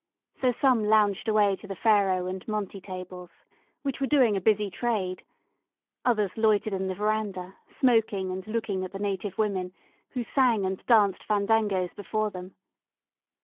So some lounged away to the faro and monte tables, which were doing a busy trade; others loitered in the verandah, smoking, and looking at the native women, who sang and danced fandangos before them.